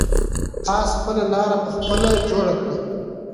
آس خپله لاره په خپله جوړه کړه.